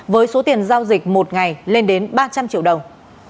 với số tiền giao dịch một ngày lên đến ba trăm linh triệu đồng